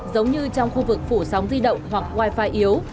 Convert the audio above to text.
giống như trong khu vực phủ sóng di động hoặc wifi yếu